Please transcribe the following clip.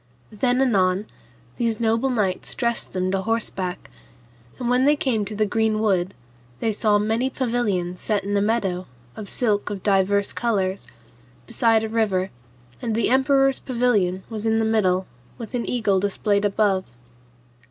Then anon these noble knights dressed them to horseback, and when they came to the green wood, they saw many pavilions set in a meadow, of silk of divers colours, beside a river, and the emperor's pavilion was in the middle with an eagle displayed above.